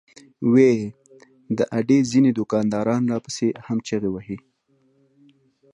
وې ئې " د اډې ځنې دوکانداران راپسې هم چغې وهي